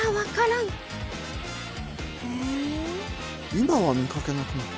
今は見掛けなくなった。